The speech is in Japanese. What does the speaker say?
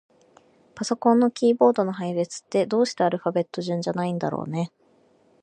パソコンのキーボードの配列って、どうしてアルファベット順じゃないんだろうね。